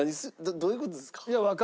どういう事ですか？